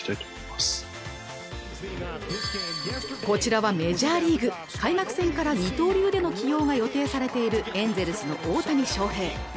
こちらはメジャーリーグ開幕戦から二刀流での起用が予定されているエンゼルスの大谷翔平